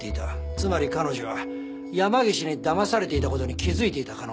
つまり彼女は山岸にだまされていた事に気づいていた可能性がある。